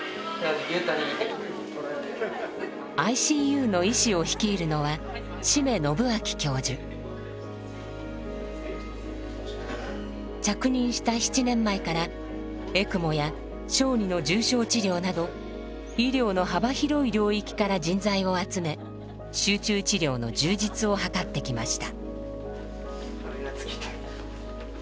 ＩＣＵの医師を率いるのは着任した７年前からエクモや小児の重症治療など医療の幅広い領域から人材を集め集中治療の充実を図ってきました。